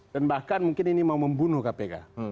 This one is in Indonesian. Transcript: dan bahkan mungkin ini mau membunuh kpk